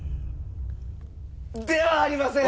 ではありません。